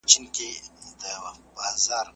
لکه نکل د ماشومي شپې په زړه کي